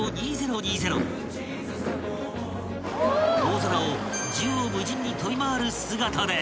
［大空を縦横無尽に飛び回る姿で］